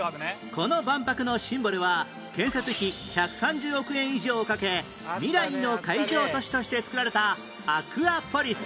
この万博のシンボルは建設費１３０億円以上かけ未来の海上都市として造られたアクアポリス